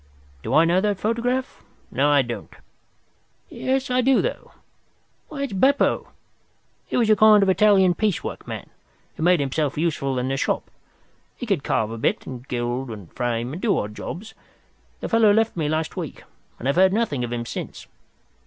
Do I know that photograph? No, I don't. Yes, I do, though. Why, it's Beppo. He was a kind of Italian piece work man, who made himself useful in the shop. He could carve a bit, and gild and frame, and do odd jobs. The fellow left me last week, and I've heard nothing of him since.